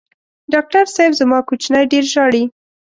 ډاکټر صېب زما کوچینی ډېر ژاړي